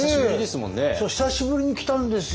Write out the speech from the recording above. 久しぶりに来たんですよ。